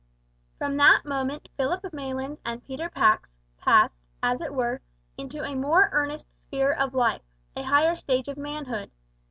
From that moment Philip Maylands and Peter Pax passed, as it were, into a more earnest sphere of life, a higher stage of manhood.